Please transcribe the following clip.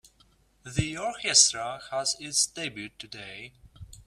The orchestra has its debut today.